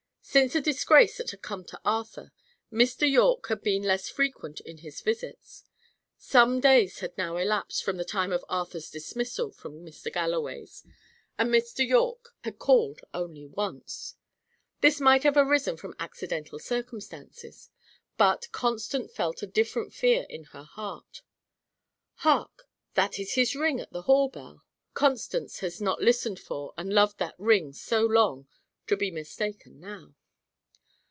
Since the disgrace had come to Arthur, Mr. Yorke had been less frequent in his visits. Some days had now elapsed from the time of Arthur's dismissal from Mr. Galloway's, and Mr. Yorke had called only once. This might have arisen from accidental circumstances; but Constance felt a different fear in her heart. Hark! that is his ring at the hall bell. Constance has not listened for, and loved that ring so long, to be mistaken now.